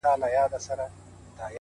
ړنده شې دا ښېرا ما وکړله پر ما دې سي نو،